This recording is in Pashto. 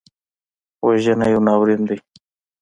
وژنه یو ناورین دی